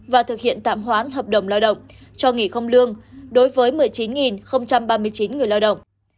và thực hiện tạm hoãn hợp đồng lao động cho nghỉ không lương đối với một mươi chín ba mươi chín người lao động